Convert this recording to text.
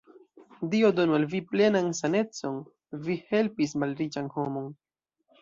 Dio donu al vi plenan sanecon! vi helpis malriĉan homon.